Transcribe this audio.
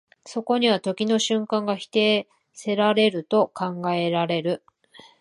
そこには時の瞬間が否定せられると考えられる。